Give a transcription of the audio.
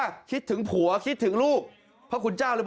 ไอ้ท้าคิดถึงลูกอยู่